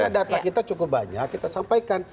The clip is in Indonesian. karena data kita cukup banyak kita sampaikan